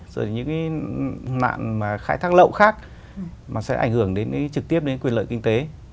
rồi những cái nạn khai thác lậu khác mà sẽ ảnh hưởng trực tiếp đến quyền lợi kinh tế